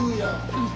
うん。